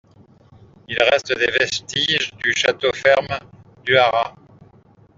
Il reste des vestiges du château-ferme du Haras.